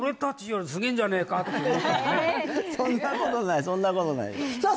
そんなことないそんなことないさあ